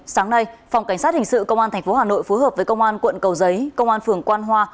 sáng nay phòng cảnh sát hình sự công an tp hà nội phối hợp với công an quận cầu giấy công an phường quan hoa